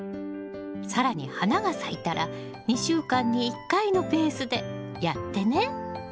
更に花が咲いたら２週間に１回のペースでやってね！